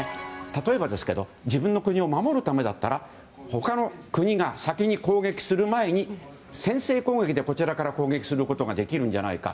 例えば、自分の国を守るためなら他の国が先に攻撃する前に先制攻撃でこちらから攻撃することができるんじゃないか